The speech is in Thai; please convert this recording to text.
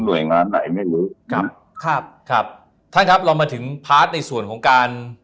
โดยงานไหนไม่รู้ครับครับท่านครับเรามาถึงพาร์ทในส่วนของการ